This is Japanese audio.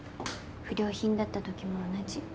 不良品だったときも同じ。